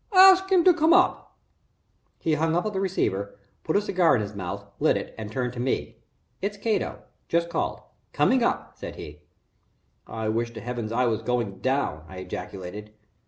Ask him to come up." He hung up the receiver, put a cigar in his mouth, lit it, and turned to me. "It's Cato just called. Coming up," said he. "I wish to Heavens I was going down," I ejaculated.